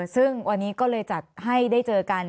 ซึ่งวันนี้ก็เลยจัดให้ได้เจอกัน